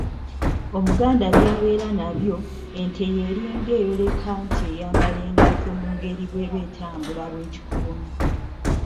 Omuganda by’abeera nabyo, ente y’eringa eyoleka nti eyambala engatto mu ngeri bw’eba etambula egikoona.